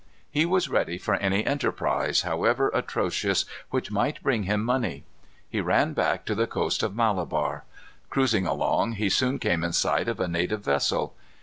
He was ready for any enterprise, however atrocious, which would bring him money. He ran back to the coast of Malabar. Cruising along, he soon came in sight of a native vessel.